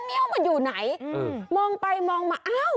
เชื่อขึ้นเร็ว